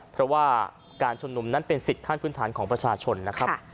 เพราะว่าการชุมนุมนั้นเป็นสิทธิขั้นพื้นฐานของประชาชนนะครับ